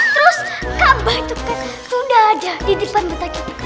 terus kabah itu sudah ada di depan mata kita